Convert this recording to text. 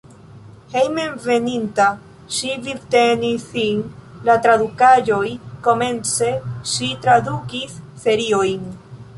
Hejmenveninta ŝi vivtenis sin el tradukaĵoj, komence ŝi tradukis seriojn.